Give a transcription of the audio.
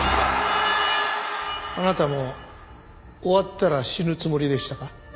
あなたも終わったら死ぬつもりでしたか？